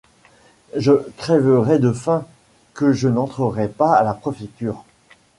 Je crèverais de faim, que je n’entrerais pas à la préfecture.